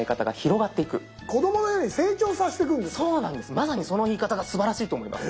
まさにその言い方がすばらしいと思います。